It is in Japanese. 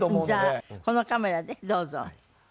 じゃあこのカメラでどうぞ。